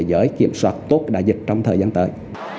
và giúp cho thế giới kiểm soát tốt đại dịch trong thời gian tới